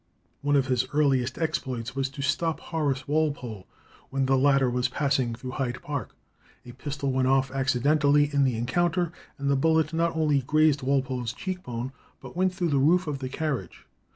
One of his earliest exploits was to stop Horace Walpole when the latter was passing through Hyde Park. A pistol went off accidentally in this encounter, and the bullet not only grazed Walpole's cheek bone, but went through the roof of the carriage.